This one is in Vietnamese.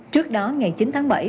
trước đó ngày chín tháng bảy